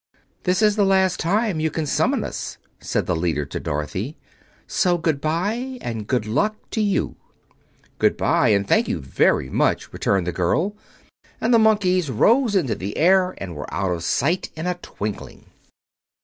"This is the last time you can summon us," said the leader to Dorothy; "so good bye and good luck to you." "Good bye, and thank you very much," returned the girl; and the Monkeys rose into the air and were out of sight in a twinkling.